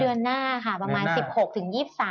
เดือนหน้าค่ะประมาณ๑๖ถึง๒๓